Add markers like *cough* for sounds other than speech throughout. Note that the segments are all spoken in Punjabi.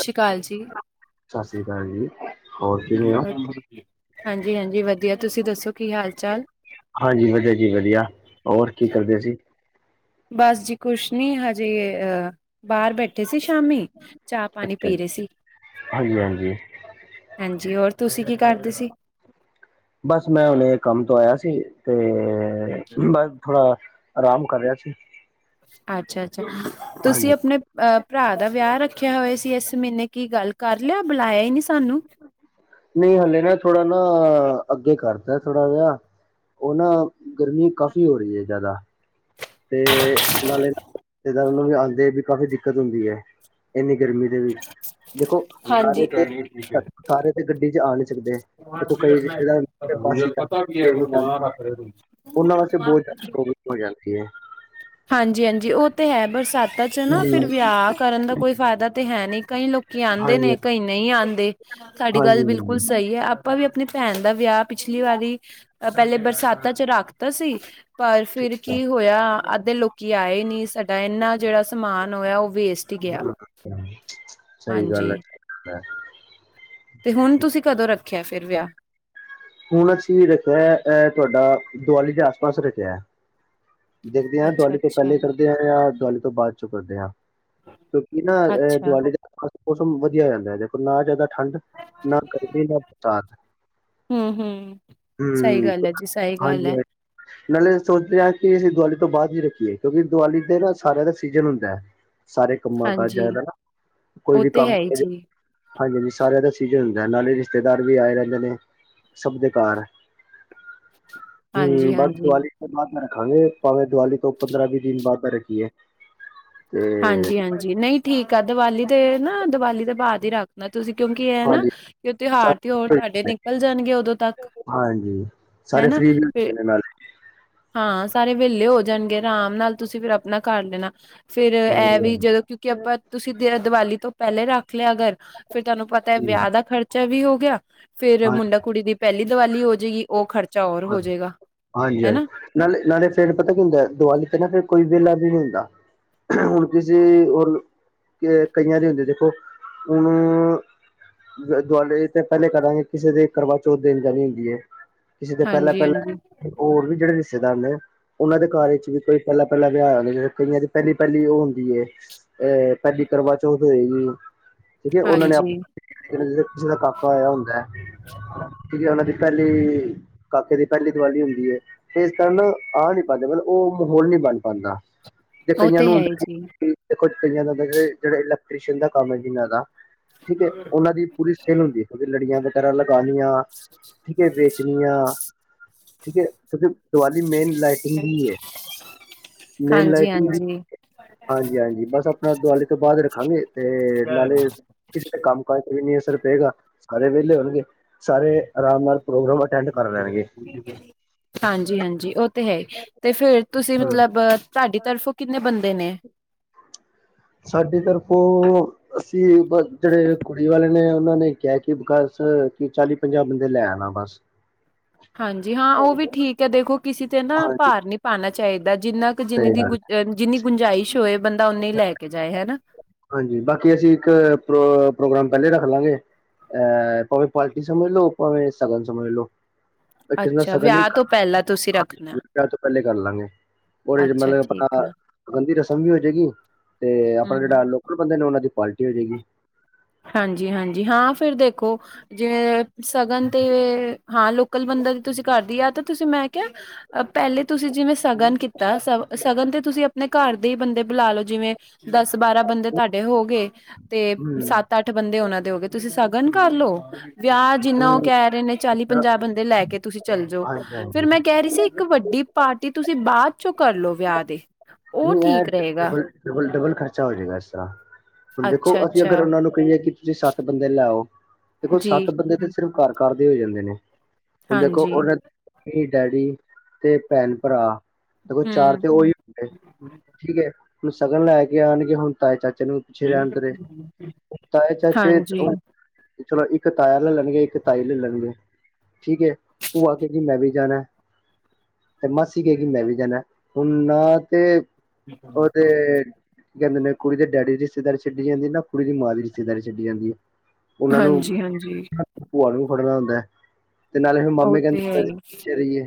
ਸਤਿ ਸ਼੍ਰੀ ਅਕਾਲ ਜੀ। ਸਤਿ ਸ੍ਰੀ ਅਕਾਲ ਜੀ। ਹੋਰ ਕਿਵੇਂ ਹੋ? ਹਾਂਜੀ-ਹਾਂਜੀ ਵਧੀਆ, ਤੁਸੀਂ ਦੱਸੋ ਕੀ ਹਾਲ ਚਾਲ? ਹਾਂਜੀ ਵਧੀਆ ਜੀ ਵਧੀਆ, ਹੋਰ ਕੀ ਕਰਦੇ ਸੀ? ਬਸ ਜੀ ਕੁਛ ਨੀ, ਹਜੇ ਅ ਬਾਰ ਬੈਠ ਉੱਠੇ ਸੀ ਸ਼ਾਮੀ, ਚਾਹ ਪਾਣੀ ਅੱਛਾ ਪੀ ਜੀ, ਰੇ ਸੀ। ਹਾਂਜੀ-ਹਾਂਜੀ। ਹਾਂਜੀ ਹੋਰ ਤੁਸੀਂ ਕੀ ਕਰਦੇ ਸੀ? ਬਸ ਮੈਂ ਹੁਨੇ ਕੰਮ ਤੋਂ ਆਇਆ ਸੀ ਤੇ ਬਸ ਥੋੜਾ ਆਰਾਮ ਕਰ ਰਿਹਾ ਸੀ। ਅੱਛਾ-ਅੱਛਾ, ਹਾਂਜੀ, ਤੁਸੀਂ ਅਪਨੇ ਅ ਭਰਾ ਦਾ ਵਿਆਹ ਰੱਖਿਆ ਹੋਇਆ ਸੀ ਇਸ ਮਹੀਨੇ, ਕੀ ਗੱਲ? ਕਰ ਲਿਆ ਬੁਲਾਇਆ ਹੀ ਨੀ ਸਾਨੂੰ। ਨਈ ਹਲੇ ਨਾ ਥੋੜਾ ਨਾ, ਅੱਗੇ ਕਰਤਾ ਥੋੜਾ ਵਿਹਾ ਉਹ ਨਾ ਗਰਮੀ ਕਾਫੀ ਹੋ ਰੀ ਏ ਜਾਦਾ। ਤੇ ਨਾਲੇ ਰਿਸ਼ਤੇਦਾਰ ਨੂੰ ਵੀ ਆਂਦੇ ਵੀ ਕਾਫ਼ੀ ਦਿੱਕਤ ਹੁੰਦੀ ਏ। ਇੰਨੀ ਗਰਮੀ ਦੇ ਵਿੱਚ ਦੇਖੋ ਸਾਰੇ ਤੇ, ਸਾਰੇ ਤੇ ਗੱਡੀ 'ਚ ਆ ਨਹੀਂ ਸਕਦੇ, ਦੇਖੋ ਕਈ ਰਿਸ਼ਤੇਦਾਰ ਬੱਸ *unintelligible* ਪਤਾ ਵੀ ਹੈ ਕੋਈ ਚ ਨਾਂ ਰੱਖ ਰੇ ਓ ਉਹਨਾਂ ਵਾਸਤੇ ਬਹੁਤ ਜ਼ਿਆਦਾ *unintelligible* ਪ੍ਰੋਬਲਮ ਹੋ ਜਾਂਦੀ ਏ। ਹਾਂਜੀ-ਹਾਂਜੀ, ਓ ਤੇ ਹੈ ਬਰਸਾਤਾਂ 'ਚ ਨਾ ਫਿਰ ਹਮ ਵਿਆਹ ਕਰਨ ਦਾ ਕੋਈ ਫਾਇਦਾ ਤੇ ਹੈ ਨੀ ਕਈ ਲੋਕ ਕਈ ਆਂਦੇ ਹਾਂਜੀ ਨੇ, ਕਈ ਨਈ ਆਂਦੇ ਤੁਹਾਡੀ ਹਾਂਜੀ ਗੱਲ ਬਿਲਕੁਲ ਹਾਂਜੀ ਸਈ ਐ। ਆਪਾ ਵੀ ਅਪਨੀ ਭੈਣ ਦਾ ਵਿਆਹ, ਪਿਛਲੀ ਵਾਰੀ ਅ ਪਹਿਲੇ ਬਰਸਾਤਾਂ 'ਚ ਰੱਖਤਾ ਸੀ। ਪਰ ਫਿਰ ਠੀਕ ਹੈ, ਕੀ ਹੋਇਆ? ਅੱਧੇ ਲੋਕੀ ਆਏ ਨੀ, ਸਾਡਾ ਇੰਨਾ ਜੇੜਾ ਸਮਾਨ ਹੋਇਆ ਓ ਵੇਸਟ ਹੀ ਗਿਆ। ਸਈ ਗੱਲ ਹਾਂਜੀ ਐ। ਤੇ ਹੁਨ ਤੁਸੀਂ ਕਦੋਂ ਰੱਖਿਆ ਫਿਰ ਵਿਆਹ? ਹੁਨ ਅਸੀਂ ਰੱਖਿਆ ਐ ਤੁਹਾਡਾ ਦੀਵਾਲੀ ਦੇ ਆਸ-ਪਾਸ ਰੱਖਿਆ। ਦੇਖਦੇ ਆਂ ਦੀਵਾਲ਼ੀ ਤੋਂ ਅੱਛਾ-ਅੱਛਾ ਪਹਿੱਲੇ ਕਰਦੇ ਆਂ ਯਾ ਦਵਾਲੀ ਤੋਂ ਬਾਅਦ ਚੋਂ ਕਰਦੇ ਆਂ। ਕਿਉਂਕਿ ਨਾ ਐ ਅੱਛਾ ਦੀਵਾਲ਼ੀ ਦੇ ਮੌਸਮ ਵਧੀਆ ਜਾਂਦਾ ਐ, ਦੇਖੋ ਨਾ ਜਾਦਾ ਠੰਡ, ਨਾ ਗਰਮੀ, ਨਾ ਬਰਸਾਤ। ਹੂੰ-ਹੂੰ। ਸਹੀ ਹੂੰ, ਗੱਲ ਹੈ ਜੀ ਸਹੀ ਗੱਲ ਹਾਂਜੀ ਹੈ ਹਾਂ ਨਾਲੇ ਸੋਚਦੇ ਆਂ ਕਿ ਅਸੀਂ ਦੀਵਾਲੀ ਤੋਂ ਬਾਦ ਈ ਰੱਖੀਏ ਕਿਉਂਕਿ ਦੀਵਾਲੀ ਦੇ ਨਾ ਸਾਰਿਆਂ ਦਾ ਸੀਜਨ ਹੁੰਦਾ ਐ। ਸਾਰੇ ਕੰਮਾਂ ਹਾਂਜੀ ਕਾਜ਼ਾ ਦਾ ਨਾ ਕੋਈ ਉਹ ਵੀ ਤੇ ਹੈ ਕੰਮ ਹੀ ਅੱਜੇ ਜੀ ਹਾਂਜੀ-ਹਾਂਜੀ, ਸਾਰਿਆਂ ਦਾ ਸਿਜ਼ਨ ਹੁੰਦਾ ਐ ਨਾਲੇ ਰਿਸ਼ਤੇਦਾਰ ਵੀ ਆਏ ਰਹਿੰਦੇ ਨੇ। ਸਭ ਦੇ ਘਰ ਹੂੰ, ਬਸ ਹਾਂਜੀ-ਹਾਂਜੀ ਦੀਵਾਲੀ ਬਾਦ ਦਾ ਰੱਖਾਂਗੇ ਭਾਵੇਂ ਦੀਵਾਲੀ ਤੋਂ ਪੰਦਰਾਂ-ਵੀਹ ਦਿਨ ਬਾਦ ਨਾ ਰੱਖੀਏ। ਤੇ ਹਾਂਜੀ-ਹਾਂਜੀ, ਨਹੀਂ ਠੀਕ ਆ ਦੀਵਾਲੀ ਦੇ ਨਾ, ਦੀਵਾਲੀ ਦੇ ਬਾਦ ਈ ਰੱਖ ਨਾ ਤੁਸੀਂ ਕਿਉਂਕਿ ਐ ਨਾ ਹਾਂਜੀ ਤਿਉਹਾਰ ਤਯੋਰ ਤੁਹਾਡੇ ਨਿਕਲ ਜਾਨਗੇ ਉਦੋਂ ਤੱਕ। ਹੂੰ, ਸਾਰੇ ਹਨਾ ਫ੍ਰੀ ਵੀ ਫਿਰ ਹੁੰਦੇ ਨੇ। ਨਾਲ ਹਾਂ ਸਾਰੇ ਵਿਹਲੇ ਹੋ ਜਾਨਗੇ ਆਰਾਮ ਨਾਲ, ਤੁਸੀਂ ਫਿਰ ਅਪਨਾ ਕਰ ਲੈਨਾ ਫੇਰ ਐ ਵੀ ਹਾਂਜੀ ਜਦੋਂ ਕਿਉਂਕਿ ਆਪਾਂ ਤੁਸੀਂ ਦੀਵਾਲੀ ਤੋਂ ਪਹਿਲੇ ਰੱਖ ਲਿਆ ਅਗਰ ਫੇਰ ਤੁਹਾਨੂੰ ਪਤਾ ਐ ਵਿਆਹ ਦਾ ਖਰਚ ਖਰਚਾ ਵੀ ਹੋ ਗਿਆ, ਫੇਰ ਹਾਂ ਮੁੰਡਾ ਕੁੜੀ ਦੀ ਪਹਿਲੀ ਦੀਵਾਲੀ ਹੋ ਜੇਗੀ, ਓ ਖ਼ਰਚਾ ਹੋਰ ਹੋ ਜੇਗਾ। ਹਾਂਜੀ-ਹਾਂਜੀ, ਨਾਲੇ, ਨਾਲੇ ਫ਼ਿਰ ਪਤਾ ਕੀ ਹੁੰਦਾ? ਦੀਵਾਲੀ ਤੇ ਨਾ ਫਿਰ ਕੋਈ ਵੇਲਾ ਵੀ ਨੀ ਹੁੰਦਾ। ਹੁਨ ਕਿਸੀੇ ਔਰ ਕਈਆਂ ਦੇ ਹੁੰਦੇ ਦੇਖੋ ਹੁਨ ਦੀਵਾਲ਼ੀ ਤੇ ਪਹਿਲੇ ਕਰਾਂਗੇ ਕਿਸੇ ਦੇ ਕਰਵਾ ਚੌਥ ਦੇਨ ਜਾਨੀ ਹੁੰਦੀ ਏ। ਕਿਸੇ ਦੇ ਪਹਿਲਾਂ-ਪਹਿਲਾਂ ਹਾਂਜੀ-ਹਾਂਜੀ ਐ, ਹੋਰ ਵੀ ਜੇੜੇ ਰਿਸ਼ਤੇਦਾਰ ਨੇ, ਓਨਾਂ ਦੇ ਘਰ ਵਿੱਚ ਵੀ ਕੋਈ ਪਹਿਲਾ-ਪਹਿਲਾ ਵਿਆਹ ਆ ਗਯਾ, ਕਈਆਂ ਦੀ ਪਹਿਲੀ ਪਹਿਲੀ ਓ ਹੁੰਦੀ ਏ। ਅ ਪਹਿਲੀ ਕਰਵਾ ਚੌਥ ਹੋਏਗੀ, ਠੀਕ ਐ ਹਾਂਜੀ ਉਹਨਾਂ ਨੇ ਆਪ ਹਾਂਜੀ ਜਿ ਕਿਸੇ ਦਾ ਕਾਕਾ ਹੋਇਆ ਹੁੰਦਾ ਹੈ, ਕਿਉਕਿ ਉਹਨਾਂ ਦੀ ਪਹਿਲੀ। ਕਾਕੇ ਦੀ ਪਹਿਲੀ ਦੀਵਾਲੀ ਹੁੰਦੀ ਏ। ਤੇ ਇਸ ਤਰ੍ਹਾਂ ਨਾ ਆਹ ਨੀ ਪਾਉਂਦੇ ਮਤਲਬ, ਉਹ ਮਾਹੌਲ ਨਹੀਂ ਬਣ ਪਾਉਂਦਾ। ਜ ਉਹ ਕਈਆਂ ਤੇ ਨੂੰ ਹੈ ਹੁੰ ਹੀ ਜੀ ਦੇੋ ਕਈਆਂ ਹੁੰ ਜਿਹੜਾ ਇਲੈਕਟ੍ਰੀ ਦਾ ਕੰਮ ਹੈ। ਜਿਨਾਂ ਦਾ। ਠੀਕ ਉਹਨਾਂ ਦੀ ਪੂਰੀ ਸੇਲ ਹੁੰਦੀ ਲੜੀਆਂ ਵਗੈਰਾ ਲਗਾਾਨੀਆਂ ਠੀਕ ਹੈ ਵੇਚਣ। ਜ ਹਾਂ ਠੀਕ ਹੈ, ਤੁਂਕਿ। ਦੀ ਵਾਲੀ ਮੇਨ ਲਾਈਟਿੰਗ ਵੀ ਹੈ, ਮੇਨ ਲਾਈਟਿੰਗ ਵੀ। ਹਾਂਜੀ-ਹਾਂਜੀ ਹਾਂਜੀ ਹਾਂਜੀ ਬਸ ਆਪਣਾ ਦਿਵਾਲੀੇ ਤੋਂ ਬਾਅਦ ਰੱਖਾਂਗੇ ਤੇ ਨਾਲੇ ਕਿਸੇ ਨੇ ਕੰਮ। ਾਂਅਜ ਚ ਵੀ ਨੀ ਅਸਰ ਪਏਗਾ ਸਾਰੇ ਵਿਹਲੇ ਹੋਣਗੇ ਸਾਰੇ ਆਰਾਮ ਨਾਲ ਪ੍ਰੋਗਰਾਮ। ਅਟੈਂਡ ਕਰ ਲੈਣਗੇ ਹਾਂਜੀ, ਹਾਂਜੀ ਉਹ। ਤੇ ਹੈ ਤੇ ਫੇਰ ਤੁਸੀਂ ਮਤਲਬ ਤੁਹਾਡੀ ਤਰਫੋਂ ਕਿੰਨੇ ਬੰਦੇ ਨੇ। ਸਾਡੇ ਤਰਫੋਂ। ਅਸੀਂ ਬਸ ਜਿਹੜੇ ਕੁੜੀ ਵਾਲੇ ਨੇ ਉਹਨਾਂ ਨੇ ਕਿਹਾ ਕਿ ਬਰਾਤ ਕਿ ਚਾਲੀ ਪੰਜਾਹ ਬੰਦੇ ਲੈ ਆਣਾ ਬਸ। ਹਾਂਜੀ ਹਾਂ ਉਹ ਵੀ ਠੀਕ ਹੈ ਦੇਖੋ ਕਿਸੇ ਤੇ ਨਾ ਹਾਂਜੀ ਭਾਰ ਨਹੀਂ ਪਾਉਣਾ ਚਾਹੀਦਾ ਜਿੰਨਾ। ਜਿੰਨੀ ਸਹੀ ਗੱਲ ਹੈ। ਦੀ ਗੁੰਜਾਇਸ਼ ਹੋਏ ਬੰਦਾ ਓਨੀ ਹੀ ਲੈ ਕੇ ਜਾਏ ਹਨਾ। ਹਾਂਜੀ ਬਾਕੀ ਅਸੀਂ ਇੱਕ ਪ੍ਰੋਗਰਾਮ ਪਹਿਲੇ ਰੱਖ ਲਵਾਂਗੇ। ਅ ਭਾਵੇਂ ਪਾਰਟੀ ਸਮਝ ਲਓ ਭਾਵੇਂ ਸਗਨ ਸਮਝ ਲਓ। ਕਿਨੇ ਅੱਛਾ ਸ਼ਗਨ ਵਿਆਹ ਇੱਕ ਤੋਂ ਪਹਿਲਾਂ ਤੁਸੀਂ ਰੱਖਣਾ ਵਿਹਾਅ ਤੋ ਪਹਿਲੇ ਕਰ ਲਵਾਂਗੇ। ਉਹਦੇ ਅੱਛਾ ਮਤਲਬ ਠੀਕ ਆਪਣਾ ਆ ਗਾਣੇ ਦੀ ਰਸਮ ਵੀ ਹੋ ਜਾਏਗੀ ਤੇ ਆਪਣਾ ਜਿਹੜਾ ਹਮ ਆਲੂ। ਕੁਜ ਬੰਦੇ ਨੇ ਉਹਨਾਂ ਦੀ ਪਾਰਟੀ ਹੋ ਜਾਏਗੀ। ਹਾਂਜੀ ਹਾਂਜੀ ਹਾਂ ਫਿਰ ਦੇਖੋ। ਜਿਵੇਂ, ਸਗਨ ਤੇ ਹਾਂ ਲੋਕਲ ਬੰਦਾ ਤੁਸੀਂ ਘਰ ਦੀ ਆ ਮੈਂ ਕਿਹਾ। ਅ ਪਹਿਲੇ ਤੁਸੀਂ ਜਿਵੇਂ ਸਗਨ ਕੀਤਾ ਸੀ ਤੇ ਸਗਨ ਤੇ ਤੁਸੀਂ ਆਪਣੇ। ਘਰ ਦੇ ਬੰਦੇ ਬੁਲਾ ਲੋ ਜਿਵੇਂ ਦਸ ਬਾਰਾਂ ਬੰਦੇ ਤੁਹਾਡੇ ਹੋ ਗਏ। ਤੇ ਹੂੰ ਸੱਤ ਅੱਠ ਬੰਦੇ ਉਹਨਾਂ ਦੇ ਹੋ ਗਏ ਤੁਸੀਂ ਸਗਨ ਕਰ ਲਓ ਵਿਆਹ। ਜਿੰਨਾ ਉਹ ਨਹੀਂ, ਕਹਿ ਰਹੇ ਨੇ ਚਾਲੀ ਤਾਂ- ਪੰਜਾਹ ਬੰਦੇ ਲੈ ਕੇ ਤੁਸੀਂ ਚਲੇ ਜਾਓ ਹਾਂਜੀ ਫੇਰ ਹਾਂਜੀ ਮੈਂ ਕਹਿ ਰਹੀ ਸੀ ਇੱਕ ਵੱਡੀ। ਪਾਰਟੀ ਤੁਸੀਂ ਬਾਅਦ ਚੋਂ ਕਰ ਲਓ ਵਿਆਹ ਦੇ। ਉਹ ਨਹੀਂ ਯਾਰ ਠੀਕ ਰਹੇਗਾ ਡਬਲ ਡਬਲ ਖਰਚਾ ਹੋ ਜਾਏਗਾ ਇਸ ਤਰਾਂ ਹੁਣ ਦੇਖੋ ਅਸੀਂ ਅਗਰ ਉਹਨਾਂ। ਅੱਛਾ-ਅੱਛਾ ਉਹਨਾ ਨੂੰ ਕਹੀਏ ਕਿ ਤੁਸੀਂ ਸੱਤ ਬੰਦੇ ਲਿਆਓ ਦੇਖੋ ਜੀ ਸੱਤ ਬੰਦੇ ਦੇ। ਸਿਰਫ ਘਰ ਘਰ ਦੇ ਹੋ ਜਾਂਦੇ ਨੇ ਹੁਣ ਦੇਖੋ ਹਾਂਜੀ ਉਹਨੇ। ਡੈਡੀ ਤੇ ਭੈਣ ਭਰਾ ਦੇਖੋ ਚਾਰ ਹੂੰ ਤੇ ਉਹੀ। ਹੁੰਦੇ *inaudible* ਠੀਕ ਏ। ਹੁਣ ਸ਼ਗਨ ਲੈ ਕੇ ਆਉਣਗੇ ਹੁਣ ਤਾਏ ਚਾਚੇ ਨੂ। ਚਿਰਾਂਦਰੇ ਤਾਏ ਚਾਚੇ। ਹਾਂਜੀ, ਚਲੋ ਇੱਕ ਤਾਇਆ ਲੈ ਲੈਣਗੇ ਇੱਕ ਤਾਈ ਲੈ ਲੈਣਗੇ ਠੀਕ ਹੈ ਭੁਆ ਕਹਿੰਦੇ ਮੈਂ ਵੀ ਜਾਣਾ। ਤੇ ਮਾਸੀ ਕਏਗੀ ਮੈਂ ਵੀ ਜਾਣਾ ਹੁਣ ਨਾ ਤੇ ਉਹਦੇ। ਕੀ ਕਹਿੰਦੇ ਨੇ ਕੁੜੀ ਦੇ ਡੈਡੀ ਦੀ ਰਿਸ਼ਤੇਦਾਰੀ ਛੱਡੀ ਜਾਂਦੀ ਨਾ ਕੁੜੀ ਦੀ ਮਾਂ ਦੀ ਰਿਸ਼ਤੇਦਾਰੀ ਛੱਡੀ ਜਾਂਦੀ ਹੈ। ਉਹਨਾਂ ਨੇ ਹਾਂਜੀ, ਹਾਂਜੀ ਭੂਆ ਨੂੰ ਫੜਨਾ ਹੁੰਦਾ ਹੈ। ਤੇ ਨਾਲੇ ਹੁਣ ਉਹ ਮਾਮੇ ਤੇ ਹੈ ਕਹਿੰਦੇ ਅਸੀ ਹੀ ਕੂ ਪਿਛੇ ਰਹੀਏ।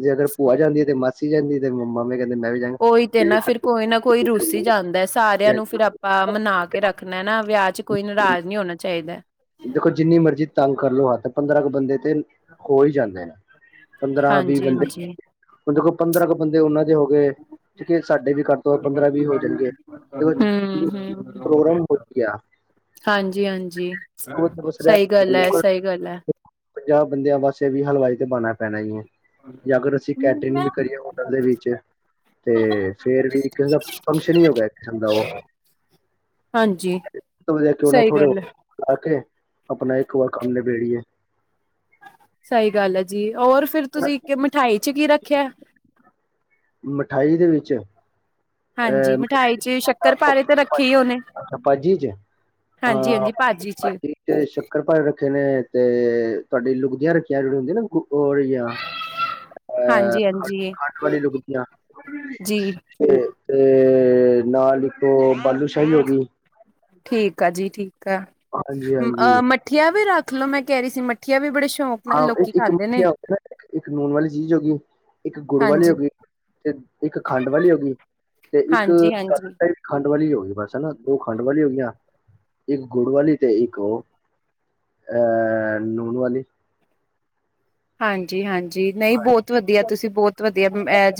ਜੇ ਅਗਰ ਭੂਆ ਜਾਂਦੀ ਹੈ, ਤੇ ਮਾਸੀ ਜਾਂਦੀ ਤੇ ਮਾਮੇ ਕਹਿੰਦੇ ਮੈਂ ਵੀ। ਜਾਂਗਾ ਉਹੀ ਤੇ ਨਾ ਫਿਰ ਕੋਈ ਨਾ। ਕੋਈ ਰੁਸੀ ਜਾਂਦਾ ਸਾਰਿਆਂ ਨੂੰ ਫਿਰ ਆਪਾਂ ਮਨਾ ਕੇ ਰੱਖਣਾ ਨਾ ਵਿਆਹ ਚ ਕੋਈ ਨੇਂਰਾਜ ਨਹੀਂ ਹੋਣਾ ਚਾਹੀਦਾ। ਦੇਖੋ ਜਿੰਨੀ ਮਰਜ਼ੀ ਤੰਗ ਕਰ ਲੋ ਹੈ ਤਾਂ ਤ ਪੰਦਰਾਂ ਕੁ ਬੰਦੇ ਤੇ। ਹੋ ਹੀ ਜਣੇਦਾ ਨੇ ਪੰਦਰਾਂ ਵੀਹ ਹਾਂਜੀ, ਬੰਦੇ। ਹਾਂਜੀ। ਹੁਣ ਦੇਖੋ ਪੰਦਰਾਂ ਤੇਂ ਬੰਦੇ ਉਹਨਾਂ ਦੇ ਵੀ ਹੋ ਗਏ ਠੀਕ ਸਾਡੇ ਵੀ ਕਰ। ਹਮ ਹ। ਪ੍ਰੋਗਰਾਮ ਹੋ ਗਿਆ ਹਾਂਜੀ, ਹਾਂਜੀ, ਬਸ ਸਹੀ ਰਹਿ ਗੱਲ ਏ ਲੋਕਾਂ ਸਹੀ ਗੱਲ ਏ। ਪੰਜਾਹ ਬੰਦਿਆਂ ਵਾਸਤੇ ਵੀ ਹਲਵਾਈ ਤੇ ਬਾਣ੍ਹਾ ਪੈਣਾ ਇਹਨੂੰ। ਯਾ ਅਗਰ ਅਸੀ ਕੈਟਰੀਗ ਵੀ ਕਰੀਏ ਹੋਟਲ ਦੇ ਵਿੱਚ ਤੇ ਫੇਰ ਕੀ ਦਿੱਕਤ ਏ ਫੰਕਸ਼ਨ ਈ ਹੋ ਗਿਆ ਏਕ ਕਿਸਮ ਦਾ ਓ ਹਾਂਜੀ, ਸਹੀ ਗੱਲ ਐ। ਆ ਕੇ, ਅਪਨਾ ਇੱਕ ਔਰ ਕੰਮ ਨਿਬੇੜੀਏ। ਸਈ ਗੱਲ ਐ ਜੀ ਔਰ ਫੇਰ ਤੁਸੀ ਕੇ ਮਿਠਾਈ 'ਚ ਕੀ ਰੱਖਿਆ ਮਿਠਾਈ ਦੇ ਵਿੱਚ ਹਾਂਜੀ, ਮਿਠਾਈ 'ਚ ਸ਼ੱਕਰ-ਪਾਰੇ ਤੇ ਰੱਖੇ ਈ ਹੋਨੇ? ਪਾਪਾ ਜੀ ਹਾਂਜੀ, ਹਾਂਜੀ ਭਾਜੀ 'ਚ ਤੇ ਸ਼ੱਕਰ-ਪਾਰੇ ਰੱਖੇ ਨੇ, ਤੇ ਤਾਡੀ ਲੁਗਦੀਆਂ ਰੱਖੀਐ, ਜਿਹੜੀਆਂ ਹੁੰਦੀਐਂ ਨਾ ਅਹ, ਹਾਂਜੀ, ਹਾਂਜੀ ਖਾਠ ਵਾਲੀ ਲੁਕਦੀਆਂ ਜੀ। ਤੇ, ਤੇ ਨਾਲ ਇੱਕ ਬਾਲੂ ਸ਼ਾਹੀ ਹੋ ਗਈ। ਠੀਕ ਆ ਜੀ ਠੀਕ ਆ ਹਾਂਜੀ ਹਾਂਜੀ ਅ ਮੱਠੀਆ ਵੀ ਰੱਖ ਲਓ। ਮੈਂ ਕਹਿ ਰਹੀ ਸੀ ਮੱਠੀਆ ਵੀ ਬੜੇ ਸ਼ੌਂਕ ਹਾਂ ਇੱਕ ਇੱਕ ਮਠੀਆਂ ਹੋ ਇੱਕ ਲੂਣ ਵਾਲੀ ਚੀਜ਼ ਹੋ ਗਈ। ਇੱਕ ਗੁੜ ਵਾਲੀ ਹਾਂਜੀ ਹੋ ਗਈ। ਤੇ ਇੱਕ ਖੰਡ ਵਾਲੀ ਹੋ ਗਈ। ਤੇ ਇੱਕ ਹਾਂਜੀ- ਹਾਂਜੀ ਖੰਡ ਵਾਲੀ ਹੋ ਗਈ ਬਸ ਹਨਾ, ਦੋ ਖੰਡ ਵਾਲੀ ਹੋਗੀਆਂ, ਇੱਕ ਗੁੜ ਵਾਲੀ ਤੇ ਇੱਕ ਉਹ। ਅ ਲੂਣ ਵਾਲੀ। ਹਾਂਜੀ- ਹਾਂਜੀ ਜੀ ਨਹੀਂ ਹਾਂ ਬਹੁਤ ਵਧੀਆ! ਤੁਸੀਂ ਬਹੁਤ ਵਧੀਆ,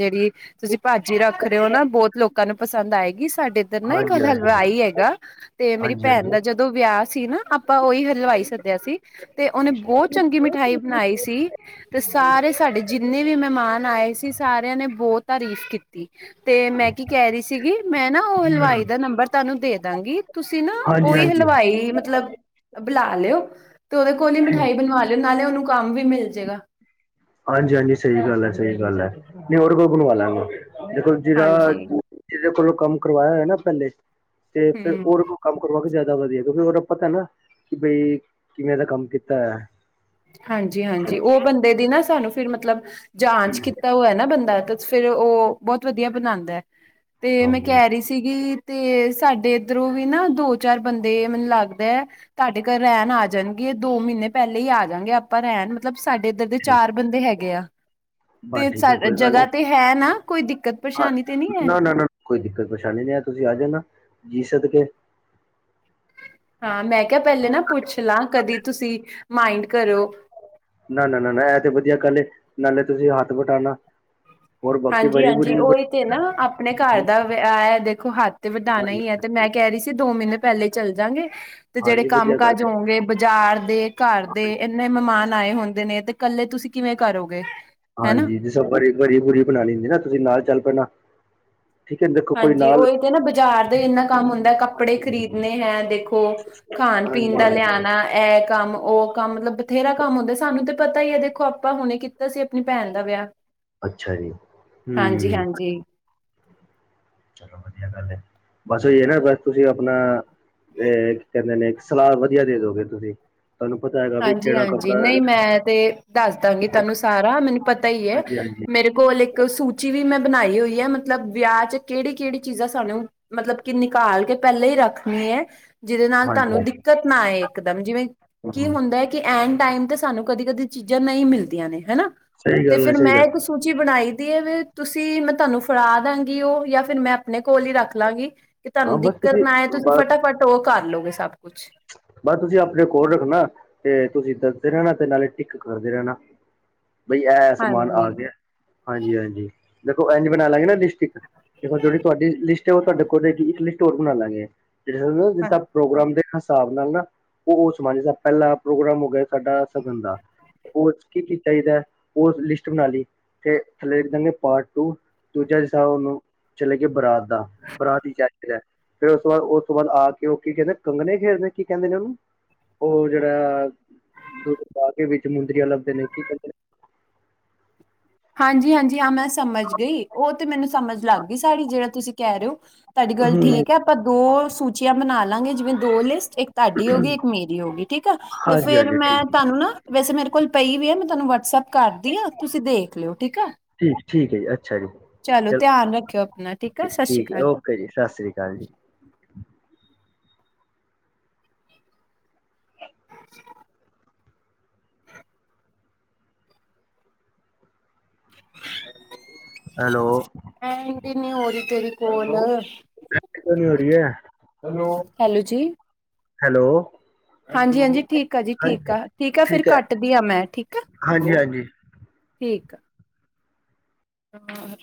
ਜਿਹੜੀ ਤੁਸੀਂ ਭਾਜੀ ਰੱਖ ਰਹੇ ਹੋ ਨਾ ਬਹੁਤ ਲੋਕ ਲੋਕਾਂ ਨੂੰ ਪਸੰਦ ਆਏਗੀ ਸਾਡੇ ਇੱਧਰ ਨਾ ਇੱਕ ਹਾਂਜੀ ਹਾਂਜੀ ਹਲਵਾਈ ਹੈਗਾ, ਤੇ ਮੇਰੀ ਹਾਂਜੀ ਭੈਣ ਹਾਂਜੀ ਦਾ ਜਦੋਂ ਜਦੋਂ ਵਿਆਹ ਸੀ ਨਾ, ਆਪਾਂ ਉਹੀ ਹਲਵਾਈ ਸੱਦਿਆ ਸੀ ਤੇ ਉਹਨੇ ਬਹੁਤ ਚੰਗੀ ਮਿਠਾਈ ਬਣਾਈ ਸੀ। ਤੇ ਸਾਰੇ ਸਾਡੇ ਜਿੰਨੇ ਵੀ ਮਹਿਮਾਨ ਆਏ ਸੀ ਸਾਰੇਆ ਨੇ ਬਹੁਤ ਤਾਰੀਫ਼ ਕੀ ਕੀਤੀ ਮੈਂ ਕੀ ਕਹਿ ਰਹੀ ਸੀਗੀ, ਮੈਂ ਨਾ ਓ ਹਲਵਾਈ ਦਾ ਨੰਬਰ ਤੁਹਾਨੂੰ ਦੇ ਦਵਾਂਗੀ। ਤੁਸੀ ਨਾ ਹਾਂਜੀ ਓਹੀ ਹਾਂਜੀ ਹਲਵਾਈ ਮਤਲਬ ਬੁਲਾ ਲਿਉ। ਤੇ ਓਹਦੇ ਕੋਲ ਈ ਮਿਠਾਈ ਬਨਵਾ ਲਿਓ, ਨਾਲੇ ਓਹਨੂੰ ਕੰਮ ਵੀ ਮਿਲ ਜਾਏਗਾ। ਹਾਂਜੀ, ਹਾਂਜੀ ਸਹੀ ਗੱਲ ਐ, ਸਹੀ ਗੱਲ ਐ ਨੀ ਹੋਰ ਓਹਦੇ ਕੋਲ ਬਨਵਾ ਲਵਾਂਗੇ ਦੇਖੋ ਜਿਦਾ ਹਾਂਜੀ ਜਿਦੇ ਕੋਲੋਂ ਕੰਮ ਕਰਵਾਇਆ ਹੋਏ ਨਾ ਪਹਿਲੇ, ਤੇ ਫੇਰ ਹੂੰ ਓਹਦੇ ਕੋਲ ਕੰਮ ਕਰਵਾ ਕੇ ਜਿਆਦਾ ਵਧੀਆ, ਕਿਓਕਿ ਓਹਦਾ ਪਤਾ ਨਾ ਕਿ ਬਈ ਕਿਵੇਂ ਦਾ ਕੰਮ ਕੀਤਾ ਹੈ। ਹਾਂਜੀ, ਹਾਂਜੀ ਓ ਬੰਦੇ ਦੀ ਨਾ ਸਾਨੂੰ ਫੇਰ ਮਤਲਬ ਜਾਂਚ ਕੀਤਾ ਹੋਐ ਨਾ ਬੰਦਾ, ਤੇ ਫੇਰ ਓਹ ਬਹੁਤ ਵਧੀਆ ਬਨਾਉਂਦਾ। ਤੇ ਮੈਂ ਹਾਂਜੀ ਕਹਿ ਹਾਂਜੀ ਰਹੀ ਸੀ ਨੀ ਤੇ ਸਾਡੇ ਇੱਧਰੋ ਵੀ ਨਾ, ਦੋ-ਚਾਰ ਬੰਦੇ ਮੈਨੂੰ ਲੱਗਦਾ ਤੁਹਾਡੇ ਘਰ ਰਹਿਣ ਆ ਜਾਣਗੇ, ਦੋ ਮਹੀਨੇ ਪਹਿਲੇ ਈ ਆ ਆ ਜਾਂਣਗੇ ਆਪਾ ਰਹਿਣ, ਮਤਲਬ ਸਾਡੇ ਇੱਧਰ ਦੇ ਚਾਰ ਬੰਦੇ ਹੈਗੇ ਆ। ਬਸ ਤੇ ਠੀਕ ਹੈ ਸਾਡੇ ਕੋਈ ਗੱਲ ਜਗਾ ਨਹੀਂ ਤੇ ਹੈ ਨਾ, ਕੋਈ ਦਿੱਕਤ ਪਰੇਸ਼ਾਨੀ ਤੇ ਨੀ ਐ। ਨਾ ਨਾ ਨਾ ਕੋਈ ਦਿੱਕਤ ਪਰੇਸ਼ਾਨੀ ਨੀ ਐ, ਤੁਸੀ ਆ ਜਾਣਾ, ਜੀ ਸੱਦਕੇ। ਹਾਂ, ਮੈਂ ਕਿਹਾ ਪਹਿਲੇ ਨਾ ਪੁੱਛ ਲਾਂ, ਕਦੀ ਤੁਸੀ ਮਾਇਂਡ ਕਰੋ। ਨਾ, ਨਾ, ਨਾ, ਨਾ ਐ ਤੇ ਵਧੀਆ ਗੱਲ ਏ, ਨਾਲੇ ਤੁਸੀ ਹੱਥ ਵਟਾਉਣਾ ਹੋਰ ਬਾਕੀ ਬੜੀ ਬੁਰੀ ਹਾਂਜੀ-ਹਾਂਜੀ ਉਹੀ ਤੇ ਨਾ ਆਪਨੇ ਘਰ ਦਾ ਵੇ, ਐ ਦੇਖੋ ਹੱਥ ਵਦਾਨਾ ਹਾਂਜੀ ਈ ਐ। ਤੇ ਮੈਂ ਕਹਿ ਰਹੀ ਸੀ, ਦੋ ਮਹੀਨੇ ਪਹਿਲੇ ਚੱਲ ਜਾਂਵਾਗੇ ਤੇ ਜਿਹੜੇ ਹਾਂਜੀ ਕੰਮ ਵਧੀਆ ਗੱਲ ਕਾਜ ਹੈ ਹੋਂਗੇ ਬਾਜ਼ਾਰ ਦੇ, ਘਰ ਦੇ, ਹਾਂਜੀ ਇੰਨੇ ਮਹਿਮਾਨ ਆਏ ਹੁੰਦੇ ਨੇ ਤੇ ਕੱਲੇ ਤੁਸੀ ਕਿਵੇਂ ਕਰੋਗੇ? ਹਨਾ ਹਾਂਜੀ, ਦਿਸੰਬਰ 'ਚ ਵਰੀ ਵੂਰੀ ਬਣਾਉਣੀ ਹੁੰਦੀ ਨਾ, ਤੁਸੀ ਨਾਲ ਚੱਲ ਪੈਣਾ। ਠੀਕ ਹੈ ਦੇਖੋ ਕੋਈ ਹਾਂਜੀ, ਨਾਲ ਓਈ ਤੇ ਨਾ ਬਾਜ਼ਾਰ ਦਾ ਈ ਇੰਨਾ ਕੰਮ ਹੁੰਦਾ ਕੱਪੜੇ ਹਾਂਜੀ ਖਰੀਦਨੇ, ਹੈਂ ਦੇਖੋ ਹਾਂਜੀ ਖਾਨ-ਪੀਣ ਦਾ ਹਾਂਜੀ ਲਿਆਉਣਾ ਐ ਕਾਮ, ਓਹ ਕੰਮ ਮਤਲਬ ਬਥੇਰਾ ਕੰਮ ਹੁੰਦਾ, ਸਾਨੂੰ ਤੇ ਪਤਾ ਈ ਏ, ਦੇਖੋ ਆਪਾ ਹੁਣੇ ਕੀ ਤੇ ਅਸੀ ਅਪਣੀ ਭੈਨ ਦਾ ਵਿਆਹ ਅੱਛਾ ਜੀ, ਹੂੰ। ਹਾਂਜੀ-ਹਾਂਜੀ ਚਲੋ ਵਧੀਆ ਗੱਲ ਏ, ਬੱਸ ਏ ਐਨਾ ਬੱਸ ਤੁਸੀ ਅਪਣਾ ਤੇ ਕੀ ਕਹਿੰਦੇ ਨੇ, ਸਲਾਹ ਵਧੀਆ ਦੇਦੋਗੇ ਤੁਸੀ ਤੁਹਾਨੂੰ ਪਤਾ ਹੈ। ਹਾਂਜੀ ਹਾਂਜੀ ਨਹੀਂ ਮੈਂ ਤੇ ਦੱਸ ਦਾਂਗੀ ਤੁਹਾਨੂੰ ਸਾਰਾ ਮੈਨੂੰ ਪਤਾ ਹੀ ਹੈ। ਹਾਂਜੀ ਮੇਰੇ ਕੋਲ ਇੱਕ ਸੂਚੀ ਵੀ ਮੈਂ ਬਣਾਈ ਹੋਈ ਹੈ ਮਤਲਬ ਵਿਆਹ ਚ ਕਿਹੜੀ ਕਿਹੜੀ ਚੀਜ਼ਾਂ ਸਾਨੂੰ ਮਤਲਬ ਕਿ ਨਿਕਾਲ ਕੇ ਪਹਿਲਾਂ ਹੀ ਰੱਖਣੀ ਹੈ। ਜਿਹਦੇ ਨਾਲ ਤੁਹਾਨੂੰ ਹਾਂਜੀ ਦਿੱਕਤ ਨਾ ਆਏ ਇੱਕਦਮ ਜਿਵੇਂ ਕੀ ਹੂੰ ਹੁੰਦਾ ਹੈ। ਤੇ ਐਨ ਟਾਈਮ ਤੇ ਸਾਨੂੰ ਕਦੀ ਕਦੀ ਚੀਜ਼ਾਂ ਨਹੀਂ ਮਿਲਦੀਆਂ ਨੇ ਹਨਾ ਸਹੀ ਤੇ ਗੱਲ ਹੈ ਫੇਿਰ ਮੈਂ ਸਹੀ ਇੱਕ ਗੱਲ ਸਕੂਲ ਸੂਚੀ ਬਣਾਈ ਦੀ ਹੈ ਵੀ ਤੁਸੀਂ ਮੈਂ ਤੁਹਾਨੂੰ ਫੜਾ ਦਾਂਗੀ ਉਹ ਜਾਂ ਫਿਰ ਮੈਂ ਆਪਣੇ ਕੋਲ ਹੀ ਰੱਖ ਲਵਗੀ। ਕਿ ਹਾਂ ਤੁਹਾਨੂੰ ਬਸ ਦਿੱਕਤ ਨਾ ਆਏ ਤੁਸੀਂ ਬਸ ਫਟਾਫਟ ਉਹ ਕਰ ਲੋ ਗੇ ਸਭ ਕੁੱਛ ਬਸ ਤੁਸੀਂ ਆਪਣੇ ਕੋਲ ਰੱਖਣਾ ਤੇ ਤੁਸੀਂ ਦੱਸਦੇ ਰਹਿਣਾ ਤੇ ਨਾਲੇ ਟਿੱਕ ਕਰਦੇ ਰਹਿਣਾ। ਬਈ ਐ ਸਮਾਨ ਆ ਹਾਂਜੀ ਗਿਆ, ਹਾਂਜੀ, ਹਾਂਜੀ ਦੇਖੋ ਇੰਝ ਬਨਾਲਾਂਗੇ ਨਾ ਡਿਸਟਿਕ ਤੇ ਜੇੜੀ ਤੋਆਡੀ ਲਿਸਟ ਏ ਓ ਤੋਆਡੇ ਕੋਲ ਰਏਗੀ, ਇੱਕ ਲਿਸਟ ਹੋਰ ਬਨਾਲਾਂਗੇ ਹਾਂ *unintelligible* ਪ੍ਰੋਗਰਾਮ ਦੇ ਨਾ ਹਿਸਾਬ ਨਾਲ ਨਾ ਓ ਓਸ *unintelligible* ਪੈਲਾ ਪ੍ਰੋਗਰਾਮ ਹੋਗਯਾ ਸਾਡਾ ਸਗਨ ਦਾ ਹੋਰ ਕੀ ਕੀ ਚਾਹੀਦਾ ਓ ਦੀ ਲਿਸਟ ਬਨਾਲੀ। ਤੇ ਥੱਲੇ ਲਿਖਦਾਂਗੇ ਪਾਰਟ ਟੂ, ਦੂਜਾ ਹਿਸਾਬ ਓਨੂੰ *unintelligible* ਚਲੇਗਏ ਬਰਾਤ ਬਰਾਤ ਦੀ ਚਠ ਐ, ਫੇਰ ਓਸ ਤੋ ਬਾਦ, ਓਸ ਤੋ ਬਾਦ ਆਕੇ ਓ ਕੀ ਕੈਂਦੇ ਕੰਗਨੇ ਫੇਰ ਤੇ ਕੀ ਕੈਂਦੇ ਨੇ ਓਨੂੰ, ਓ ਜੇੜਾ ਦੁੱਧ ਪਾਕੇ ਵਿੱਚ ਮੁੰਦਰੀਆਂ ਲੱਭਦੇ ਨੇ, ਕੀ ਕੈਂਦੇ ਨੇ ਹਾਂਜੀ, ਹਾਂਜੀ, ਹਾਂ ਮੈਂ ਸਮਝ ਗੀ, ਓ ਤੇ ਮੈਨੂੰ ਸਮਝ ਲੱਗ ਗੀ ਸਾਰੀ ਜੇੜਾ ਤੁਸੀ ਕੈ ਰੇਓ। ਤਾਡੀ ਗੱਲ ਕਹਿੰਦੇ ਨੇ ਠੀਕ ਐ, ਪਰ ਦੋ ਸੂਚੀਆਂ ਬਨਾਲਾਂਗੇ ਜਿਵੇਂ ਦੋ ਲਿਸਟ, ਏਕ ਤਾਡੀ ਹੋਗੀ, ਇੱਕ ਮੇਰੀ ਹੋਗੀ, ਠੀਕ ਆ ਤੇ ਹਾਂਜੀ ਫੇਰ ਹਾਂਜੀ ਮੈਂ ਠੀਕ ਤਾਨੂੰ ਨਾ ਵੈਸੇ ਮੇਰੇ ਕੋਲ ਪਈ ਵੀ ਆ ਮੈਂ ਤੁਹਾਨੂੰ ਵਟਸਐਪ ਕਰਤੀ ਹ ਤੁਸੀਂ ਦੇਖ ਲਓ ਠੀਕ ਹੈ। ਠੀਕ ਠੀਕ ਹੈ ਜੀ ਅੱਛਾ ਜੀ ਚਲੋ ਧਿਆਨ ਰੱਖਿਓ ਆਪਣਾ ਠੀਕ ਆ ਸ਼੍ਰਿਸ਼ਰ ਅਕਾਲ। ਜੀ ਸ਼੍ਰਿਸ਼ਰੀ ਅਕਾਲ ਜੀ। ਹ। ਹ ਨ ਹੈਲੋ। ਹੰਡ ਹੀ ਨਹੀ ਔਹ ਰਹੀ ਤੇਰੀ ਕੋਲ ਹੰਡ ਕਉ ਨਹੀ ਹੋ ਰਹੀ ਹੈ। ਹੈਲੋ ਹੈਲੋ ਜੀ। ਹੈਲੋ। ਹਾਂਜੀ ਹਾਂਜੀ ਠੀਕ ਆ ਜੀ ਠੀਕ ਹਾਂਜੀ ਆ ਠੀਕ ਆ ਫਿਰ ਘੱਟਦੀ ਹਾਂ ਮੈਂ ਠੀਕ ਆ। ਹਾਂਜੀ ਹਾਂਜੀ ਠੀਕ ਆ। ਹਾਂ।